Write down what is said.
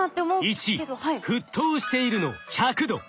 １「沸騰している」の１００℃。